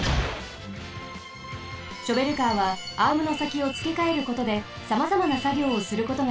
ショベルカーはアームのさきをつけかえることでさまざまなさぎょうをすることができます。